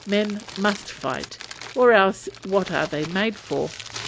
Men must fight; or else what are they made for?